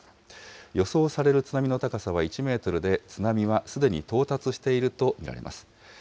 予想される津波の高さは１メートルで、津波はすでに到達していると見られます。